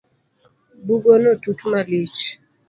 Bugono tut malich